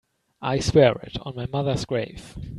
I swear it on my mother's grave.